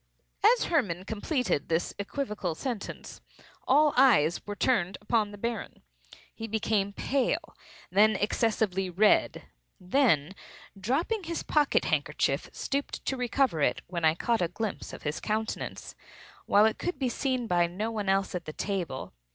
As Hermann completed this equivocal sentence, all eyes were turned upon the Baron. He became pale, then excessively red; then, dropping his pocket handkerchief, stooped to recover it, when I caught a glimpse of his countenance, while it could be seen by no one else at the table.